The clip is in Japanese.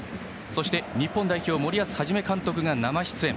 そして日本代表森保一監督が生出演。